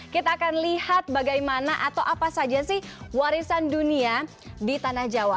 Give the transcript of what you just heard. kita akan lihat bagaimana atau apa saja sih warisan dunia di tanah jawa